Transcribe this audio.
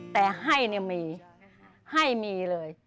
แต่ให้มี